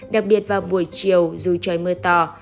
đặc biệt vào buổi chiều dù trời mưa to